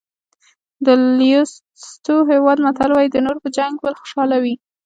د لېسوتو هېواد متل وایي د نورو په جنګ بل خوشحاله وي.